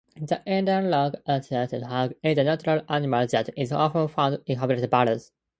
The Indian long-eared hedgehog is a nocturnal animal that is often found inhabiting burrows.